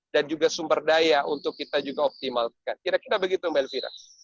dan juga sumber daya untuk kita juga optimalkan kira kira begitu mbak elvira